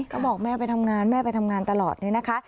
ก็บอกแม่ไปทำงานแม่ไปทำงานตลอดเนี่ยนะคะ